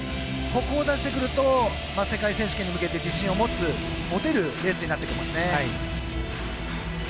ここを出してくると世界選手権に向けて自信を持てるレースになってきますね。